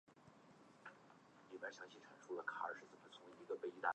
出生于美国马里兰州巴尔的摩。